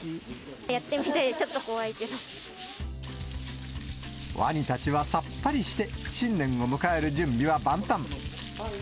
やってみたい、ちょっと怖いワニたちはさっぱりして、新年を迎える準備は万端。